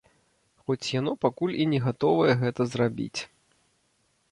Хоць яно пакуль і не гатовае гэта зрабіць.